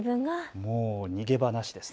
もう逃げ場なしです。